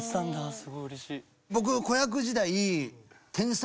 すごいうれしい。